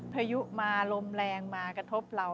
พายุมาลมแรงมากระทบเรา